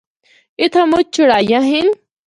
اِتھا مُچ چڑھائیاں ہن۔